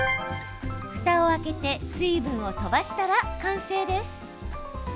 ふたを開けて水分を飛ばしたら完成です。